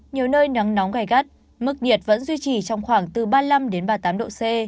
nhiều nơi nắng nóng gai gắt mức nhiệt vẫn duy trì trong khoảng từ ba mươi năm đến ba mươi tám độ c